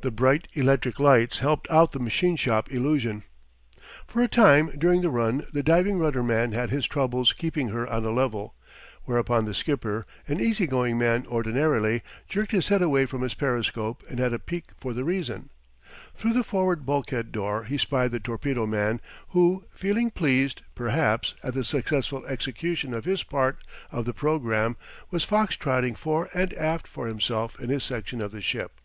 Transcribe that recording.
The bright electric lights helped out the machine shop illusion. For a time during the run the diving rudder man had his troubles keeping her on a level, whereupon the skipper an easy going man ordinarily jerked his head away from his periscope and had a peek for the reason. Through the forward bulkhead door he spied the torpedo man, who, feeling pleased, perhaps, at the successful execution of his part of the programme, was fox trotting fore and aft for himself in his section of the ship.